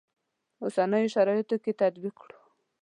اوسنیو شرایطو کې تطبیق کړو.